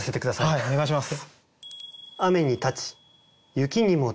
はいお願いします。